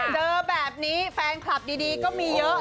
เจอแบบนี้แฟนคลับดีก็มีเยอะ